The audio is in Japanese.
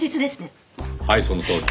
はいそのとおり。